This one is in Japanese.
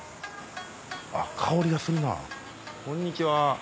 あっ香りがするなぁこんにちは。